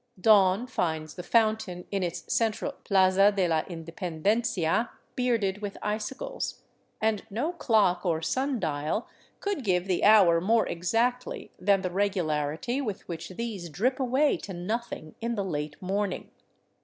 Dawn finds the fountain in its central " Plaza de la Independencia " bearded with icicles, and no clock or sun dial could give the hour more exactly than the regularity with which these drip away to nothing in the late morning.